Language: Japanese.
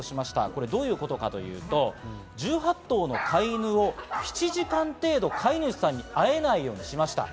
これどういうことかと言いますと、１８頭の飼い犬を７時間程度飼い主さんに会えないようにしました。